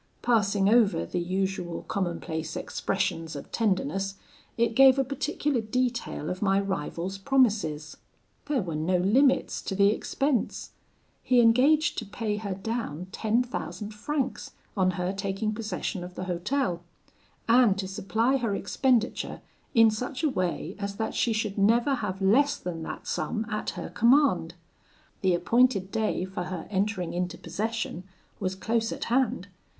"Passing over the usual commonplace expressions of tenderness, it gave a particular detail of my rival's promises. There were no limits to the expense. He engaged to pay her down ten thousand francs on her taking possession of the hotel, and to supply her expenditure in such a way as that she should never have less than that sum at her command. The appointed day for her entering into possession was close at hand.